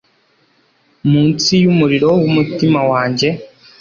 Munsi yumuriro wumutima wanjye